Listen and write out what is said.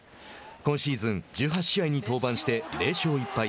今シーズン、１８試合に登板して０勝１敗。